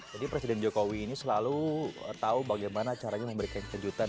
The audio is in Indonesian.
jadi presiden jokowi ini selalu tahu bagaimana caranya memberikan kejutan